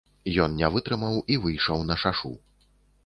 Ён не вытрымаў і выйшаў на шашу.